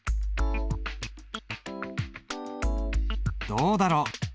どうだろう。